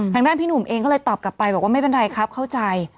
ทางด้านพี่หนุ่มเองก็เลยตอบกลับไปบอกว่าไม่เป็นไรครับเข้าใจ